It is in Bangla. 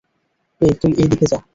এই তুই এই দিকে যা।